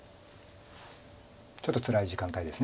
ちょっとつらい時間帯です